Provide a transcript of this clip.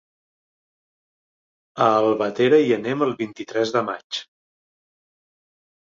A Albatera hi anem el vint-i-tres de maig.